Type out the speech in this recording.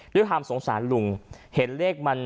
ด้วยความสงสารลุงเห็นเลขมัน